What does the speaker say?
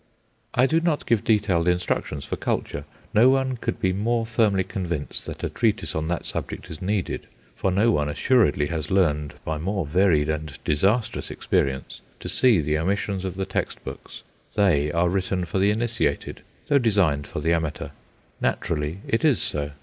I do not give detailed instructions for culture. No one could be more firmly convinced that a treatise on that subject is needed, for no one assuredly has learned, by more varied and disastrous experience, to see the omissions of the text books. They are written for the initiated, though designed for the amateur. Naturally it is so.